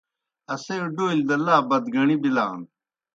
اسے ڈولیْ دہ لا بَدگَݨی بِلان۔